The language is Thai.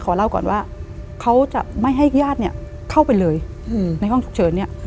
เล่าก่อนว่าเขาจะไม่ให้ญาติเนี่ยเข้าไปเลยในห้องฉุกเฉินเนี่ย